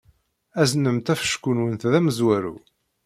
Aznemt afecku-nwent d amezwaru.